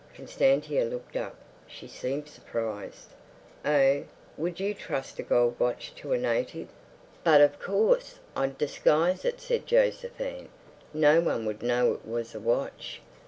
Constantia looked up; she seemed surprised. "Oh, would you trust a gold watch to a native?" "But of course, I'd disguise it," said Josephine. "No one would know it was a watch."